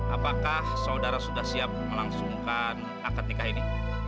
apakah saudara sudah siap melangsungkan akad nikah ini